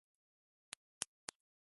二個目の回転している棘まで、クリアしたよ